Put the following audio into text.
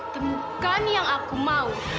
temukan yang aku mau